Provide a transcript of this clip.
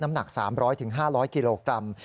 หนัก๓๐๐๕๐๐กิโลกรัม